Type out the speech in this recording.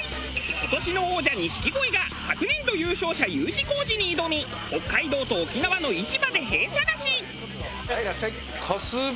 今年の王者錦鯉が昨年度優勝者Ｕ字工事に挑み北海道と沖縄の市場でへぇ探し！